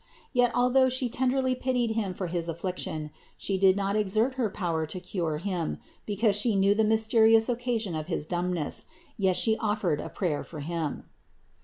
Yet, although She tenderly pitied him for his affliction, She did not exert her power to cure him, because She knew the mysterious occasion of his dumbness; yet She offered a prayer for him.